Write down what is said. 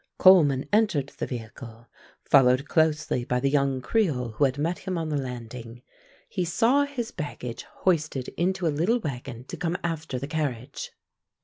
Coleman entered the vehicle, followed closely by the young creole who had met him on the landing. He saw his baggage hoisted into a little wagon to come after the carriage.